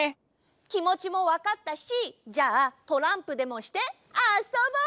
きもちもわかったしじゃあトランプでもしてあそぼう！